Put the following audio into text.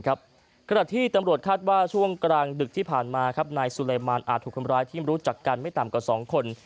ขณะที่ตำรวจคาดว่าช่วงกลางดึกที่ผ่านมานายสุเลมานอาจถูกคนร้ายที่รู้จักกันไม่ต่ำกว่า๒คน